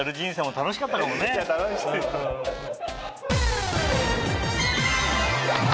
楽しいよ。